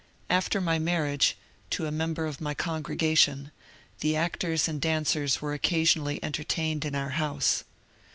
After my marriage, to a member of my congregation, the actors and dancers were occasionally entertained in our house.